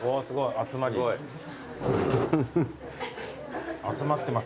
集まってますね。